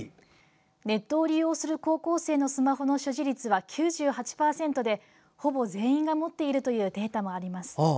ネットを利用する高校生のスマホの所持率は９８％でほぼ全員が持っているというデータもあります。